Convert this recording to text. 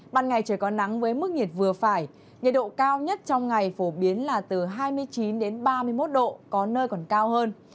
ban ngày trời có nắng với mức nhiệt vừa phải nhiệt độ cao nhất trong ngày phổ biến là từ hai mươi chín đến ba mươi một độ có nơi còn cao hơn